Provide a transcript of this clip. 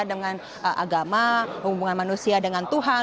dengan agama hubungan manusia dengan tuhan